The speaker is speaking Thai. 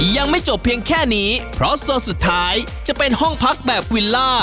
ยังไม่จบเพียงแค่นี้เพราะโซนสุดท้ายจะเป็นห้องพักแบบวิลล่า